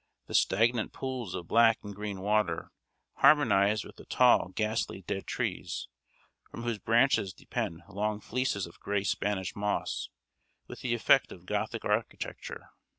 The stagnant pools of black and green water harmonize with the tall, ghastly dead trees, from whose branches depend long fleeces of gray Spanish moss, with the effect of Gothic architecture.